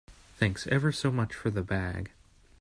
Thanks ever so much for the bag.